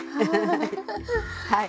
はい。